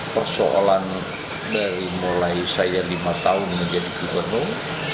persoalan dari mulai saya lima tahun menjadi gubernur